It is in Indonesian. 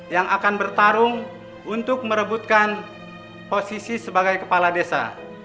yang akan bertarung untuk merebutkan posisi sebagai kepala desa